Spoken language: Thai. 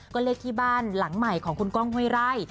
ก็เลขที่บ้านหลังใหม่ของคุณก้องห้วยไร่